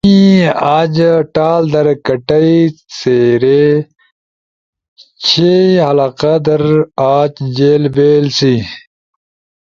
می أج ٹال در کٹئ څیرے، ڇھی علاقہ در أج جیل بیل سی۔